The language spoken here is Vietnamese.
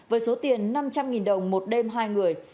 với số tiền năm trăm linh đồng một đêm hai người